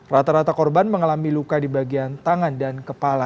rata rata korban mengalami luka di bagian tangan dan kepala